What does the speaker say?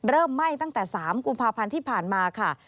ไหม้ตั้งแต่๓กุมภาพันธ์ที่ผ่านมาค่ะ